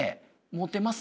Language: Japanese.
モテます？